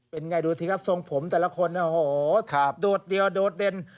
เป็นไงดูสิครับทรงผมแต่ละคนโอ้โหโดดเดียวโดดเด่น